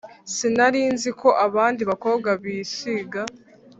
sinari nzi ko abandi bakobwa bisiga